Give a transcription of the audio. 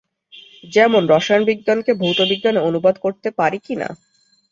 যেমন, রসায়ন বিজ্ঞানকে ভৌত বিজ্ঞানে অনুবাদ করতে পারি কি না?